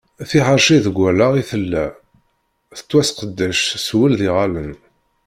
Tiḥerci deg wallaɣ i tella, tettwaseqdec s wul d yiɣallen.